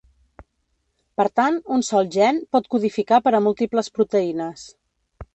Per tant, un sol gen pot codificar per a múltiples proteïnes.